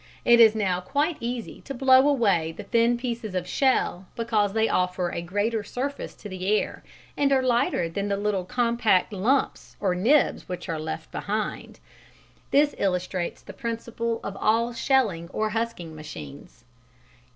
It is now quite easy to blow away the thin pieces of shell because they offer a greater surface to the air and are lighter than the compact little lumps or "nibs" which are left behind. This illustrates the principle of all shelling or husking machines.